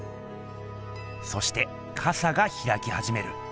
そしてかさがひらきはじめる。